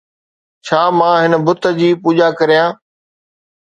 ڇا مان هن بت جي پوڄا ڪريان؟